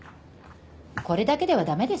これだけでは駄目です。